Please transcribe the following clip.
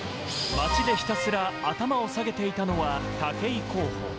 街でひたすら頭を下げていたのは、武井候補。